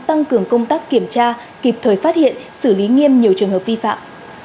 tăng cường công tác kiểm tra kịp thời phát hiện xử lý nghiêm nhiều trường hợp vi phạm